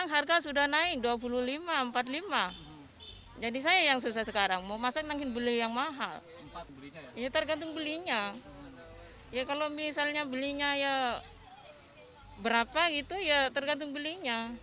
tergantung belinya ya kalau misalnya belinya ya berapa gitu ya tergantung belinya